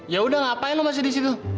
yaudah ngapain lo masih disitu